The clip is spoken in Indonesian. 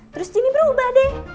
terus jini berubah deh